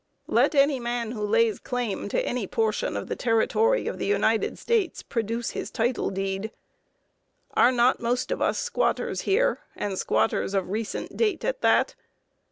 Let any man who lays claim to any portion of the territory of the United States produce his title deed. Are not most of us squatters here, and squatters of recent date at that?